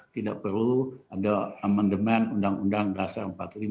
tidak perlu ada amendement undang undang dasar empat puluh lima